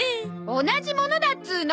同じものだっつーの！